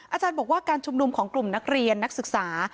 อาจารย์บอกว่าการชุมนุมของกลุ่มนักเรียนนักศึกษา